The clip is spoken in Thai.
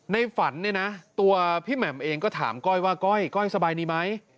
ฝันเนี่ยนะตัวพี่แหม่มเองก็ถามก้อยว่าก้อยสบายดีไหม